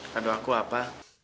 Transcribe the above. rado aku apa